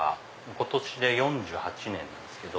今年で４８年なんですけど。